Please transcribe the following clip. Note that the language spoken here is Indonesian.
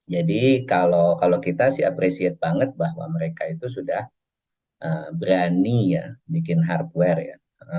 jadi kalau kita sih appreciate banget bahwa mereka itu sudah berani ya bikin hardware ya